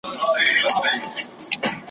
شرنګ د ربابونو له مغان سره به څه کوو `